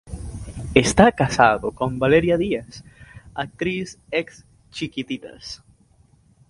Está casado con Valeria Díaz, actriz ex-"Chiquititas".